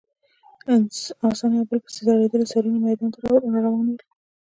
اسان یو په بل پسې ځړېدلي سرونه میدان ته راروان ول.